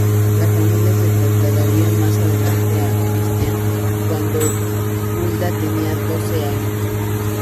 La familia se trasladaría más adelante a Kristiania, cuando Hulda tenía doce años.